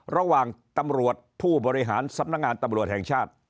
ระหว่างตำรวจผู้บริหารสำนักงานตำรวจแห่งชาติ